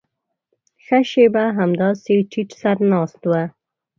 ښه شېبه همداسې ټيټ سر ناست و.